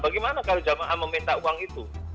bagaimana kalau jamaah meminta uang itu